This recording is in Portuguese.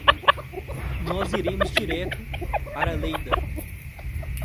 Nós iremos direto para Lleida.